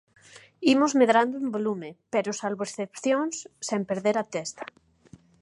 Imos medrando en volume, pero salvo excepcións, sen perder a testa.